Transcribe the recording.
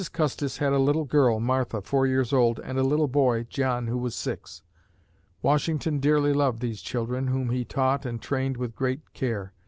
Custis had a little girl, Martha, four years old, and a little boy, John, who was six. Washington dearly loved these children, whom he taught and trained with great care.